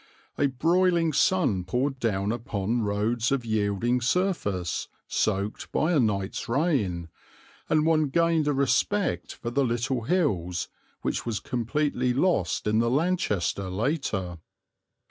A broiling sun poured down upon roads of yielding surface, soaked by a night's rain, and one gained a respect for the little hills which was completely lost in the Lanchester later.